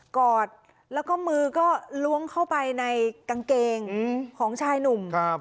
กอดแล้วก็มือก็ล้วงเข้าไปในกางเกงของชายหนุ่ม